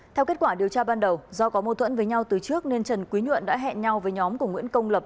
theo kết quả điều tra ban đầu do có mâu thuẫn với nhau từ trước nên trần quý nhuận đã hẹn nhau với nhóm của nguyễn công lập